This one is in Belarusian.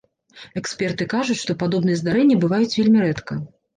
Эксперты кажуць, што падобныя здарэнні бываюць вельмі рэдка.